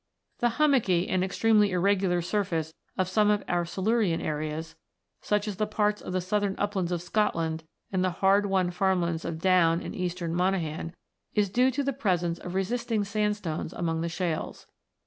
5). The hummocky and extremely irregular surface of some of our Silurian areas, such as parts of the Southern Uplands of Scotland and the hard won farmlands of Down and eastern Monaghan, is due to the presence of resisting sandstones among the shales.